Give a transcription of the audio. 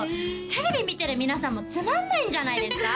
テレビ見てる皆さんもつまんないんじゃないですか？